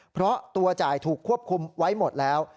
เพราะตัวจ่ายถูกควบคุมไว้หมดแล้ว